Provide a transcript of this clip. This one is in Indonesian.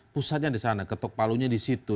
pusatnya di sana ketokpalunya di situ